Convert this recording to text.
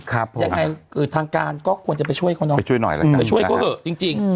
ยังไงคือทางการก็ควรจะไปช่วยเขาเนาะไปช่วยหน่อยแล้วกันไปช่วยเขาเถอะจริงจริง